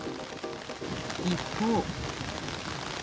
一方。